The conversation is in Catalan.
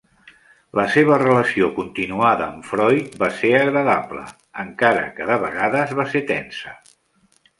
La seva relació continuada amb Freud va ser agradable, encara que de vegades va ser tensa.